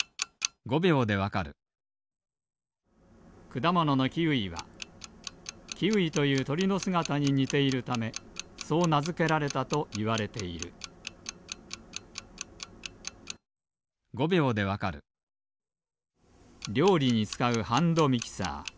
くだもののキウイはキーウィというとりのすがたににているためそうなづけられたといわれているりょうりにつかうハンドミキサー。